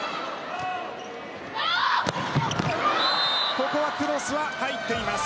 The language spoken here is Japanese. ここはクロス、入っています。